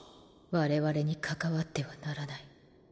我々に関わってはならない。